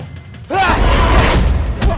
aku akan mencari al hikmah